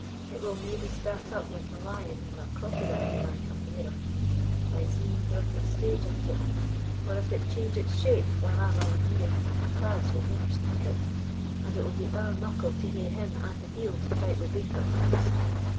it will maybe start up like a lion or a crocodile when I come nearer. I'se e'en drive a stage at it, for if it change its shape when I'm ower near, Tarras will never stand it; and it will be ower muckle to hae him and the deil to fight wi' baith at ance."